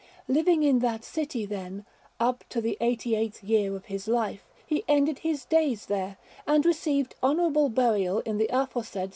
Living in that city, then, up to the eighty eighth year of his life, he ended his days there, and received honourable burial in the aforesaid S.